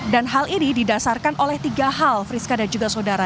dan hal ini didasarkan oleh tiga hal friska dan juga saudara